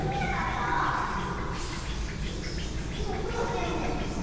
いまおとがしたよね。